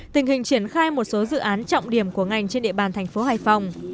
tình hình triển khai một số dự án trọng điểm của ngành trên địa bàn tp hải phòng